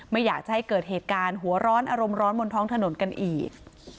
ไม่อยากจะให้เกิดเหตุการณ์หัวร้อนอารมณ์ร้อนบนท้องถนนกันอีก